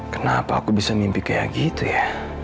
kenapa aku bisa mimpi kayak gitu ya